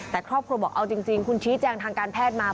แต่ครอบครัวบอกเอาจริงคุณชี้แจงทางการแพทย์มา